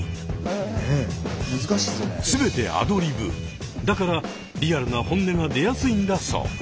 全てアドリブだからリアルな本音が出やすいんだそう。